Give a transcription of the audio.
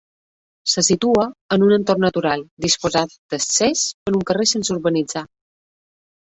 Se situa en un entorn natural, disposant d'accés per un carrer sense urbanitzar.